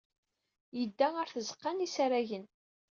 Yedda ɣer tzeɣɣa n yisaragen.